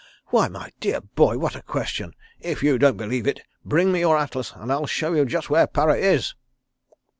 Why, my dear boy, what a question! If you don't believe it, bring me your atlas, and I'll show you just where Para is."